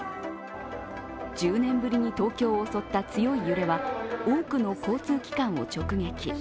１０年ぶりの東京を襲った強い揺れは多くの交通機関を直撃。